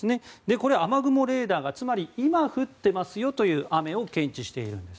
これは雨雲レーダーが今、降っていますよという雨を検知しているんです。